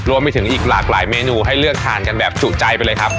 รวมไปถึงอีกหลากหลายเมนูให้เลือกทานกันแบบจุใจไปเลยครับ